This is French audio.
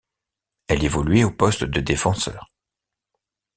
Elle évoluait au poste de défenseur.